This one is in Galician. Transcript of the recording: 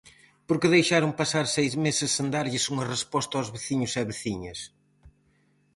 ¿Por que deixaron pasar seis meses sen darlles unha resposta aos veciños e veciñas?